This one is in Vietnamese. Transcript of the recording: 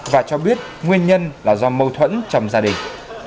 và cho biết nguyên nhân là do mâu thuẫn trong gia đình